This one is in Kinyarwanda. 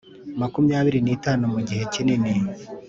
Makumyabiri n itanu mu gihe kininini